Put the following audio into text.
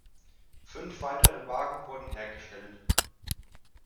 Fünf weitere Wagen wurden hergestellt.